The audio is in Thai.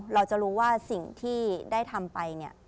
เราจะรู้ว่าสิ่งที่ได้ทำไปเนี่ย